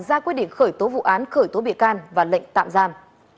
ra quyết định khởi tố vụ án khởi tố bị can và lệnh tạm giam